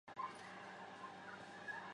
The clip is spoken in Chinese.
雷波小檗为小檗科小檗属下的一个种。